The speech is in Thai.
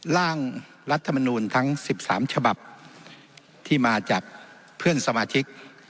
ร่างรัฐมนูลทั้ง๑๓ฉบับที่มาจากเพื่อนสมาชิก